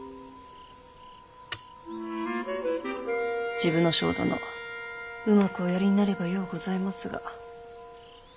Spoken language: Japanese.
治部少輔殿うまくおやりになればようございますが。